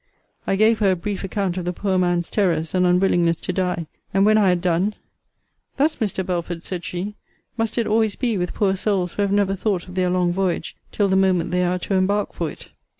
I gave her a brief account of the poor man's terrors, and unwillingness to die: and, when I had done, Thus, Mr. Belford, said she, must it always be with poor souls who have never thought of their long voyage till the moment they are to embark for it.